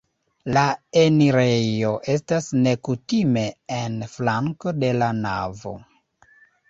La enirejo estas nekutime en flanko de la navo.